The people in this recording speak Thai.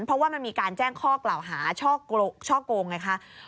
เพราะว่ามันมีการแจ้งข้อกล่าวหาช่อโกงไงคะ